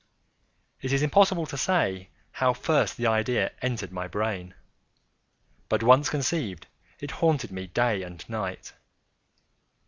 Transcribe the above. It is impossible to say how first the idea entered my brain; but once conceived, it haunted me day and night.